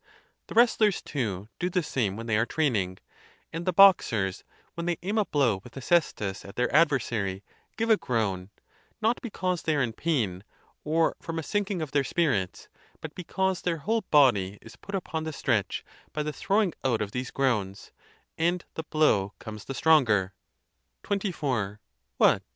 The wrestlers, too, do the same when they are training; and the boxers, when they aim a blow with the cestus at their adversary, give a groan, not because they are in pain, or from a sink ing of their spirits, but because their whole body is put upon the stretch by the throwing out of these groans, and the blow comes the stronger, «alice sid i il lelia ot fy S © a ON BEARING PAIN. 87 XXIV. What!